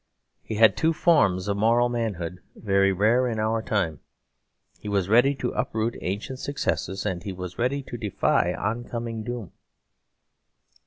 He had two forms of moral manhood very rare in our time: he was ready to uproot ancient successes, and he was ready to defy oncoming doom.